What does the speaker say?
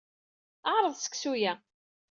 Ɛreḍ seksu-a.